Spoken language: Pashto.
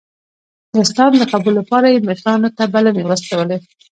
د اسلام د قبول لپاره یې مشرانو ته بلنې واستولې.